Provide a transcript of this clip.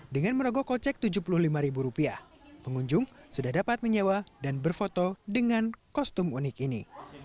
dengan merogoh kocek rp tujuh puluh lima pengunjung sudah dapat menyewa dan berfoto dengan kostum unik ini